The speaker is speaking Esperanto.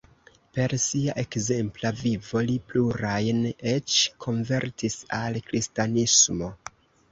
Per sia ekzempla vivo li plurajn eĉ konvertis al kristanismo.